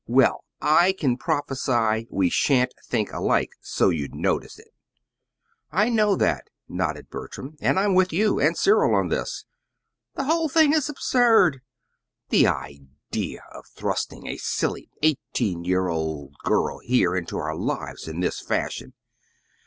"Well, I can prophesy we sha'n't think alike so you'd notice it!" "I know that," nodded Bertram; "and I'm with you and Cyril on this. The whole thing is absurd. The idea of thrusting a silly, eighteen year old girl here into our lives in this fashion!